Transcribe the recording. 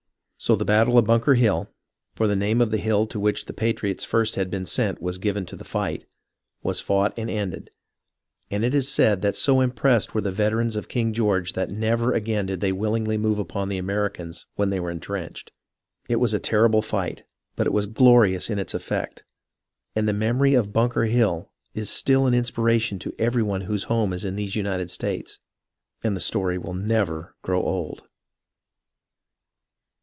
So the Battle of Bunker Hill — for the name of the hill to which the patriots had first been sent was given to the fight — was fought and ended, and it is said that so im pressed were the veterans of King George that never again did they willingly move upon the Americans when they were intrenched. It was a terrible fight, but it was glorious in its effect ; and the memory of Bunker Hill is still an inspiration to every one whose home is in these United States, and the story will never grow old.